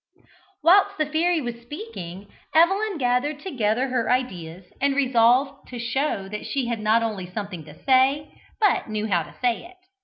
Whilst the fairy was speaking, Evelyn gathered together her ideas, and resolved to show that she not only had something to say, but knew how to say it.